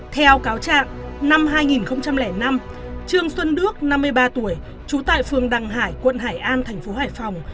theo cáo trạng năm hai nghìn năm trương xuân đức năm mươi ba tuổi trú tại phường đằng hải quận hải an thành phố hải phòng